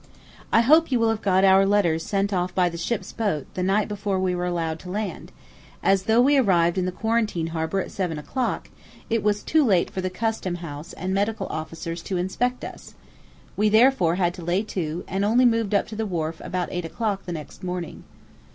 I hope you will have got our letters sent off by the ship's boat the night before we were allowed to land, as, though we arrived in the quarantine harbour at 7 o'clock, it was too late for the Custom house and medical officers to inspect us; we therefore had to lay to, and only moved up to the wharf about 8 o'clock the next morning.